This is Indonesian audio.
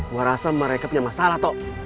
gue rasa mereka punya masalah tok